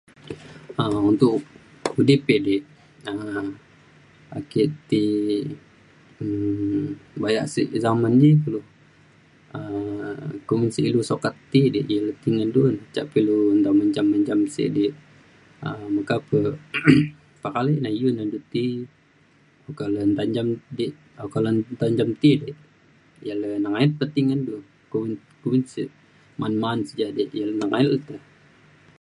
um untuk udip ek di um ake ti um baya si zaman ji kulu um kumin si ilu sukat ti de ia ilu ti ngan du ne. ca pa ilu nta menjam menjam si di um meka pa pekalei nan iu ne du ti oka le nta cam de oka le nta cam ti de ia le nengayet pa ti ngan du kumbi- kumbi sik ma'an ma'an sik ja dik ia le nengayet lukte